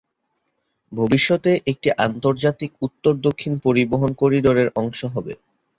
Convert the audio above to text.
ভবিষ্যতে এটি আন্তর্জাতিক উত্তর-দক্ষিণ পরিবহণ করিডোর এর অংশ হবে।